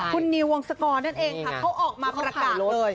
คุณนิววงศกรนั่นเองค่ะเขาออกมาประกาศเลย